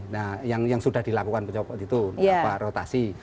nah yang sudah dilakukan pencoba waktu itu rotasi